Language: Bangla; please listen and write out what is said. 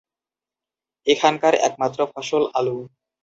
এখানকার একমাত্র ফসল আলু।